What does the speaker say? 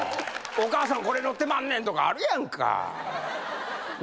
お母さんこれ乗ってまんねんとかあるやんか。